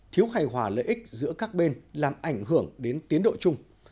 thiếu hài hòa lợi ích giữa các bên làm ảnh hưởng đến tiến độ chung